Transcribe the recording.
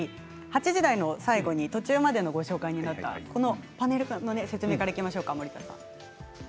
８時台の最後に途中までのご紹介になったこのパネルの説明からいきましょうか。